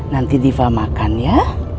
nanti diva makan ya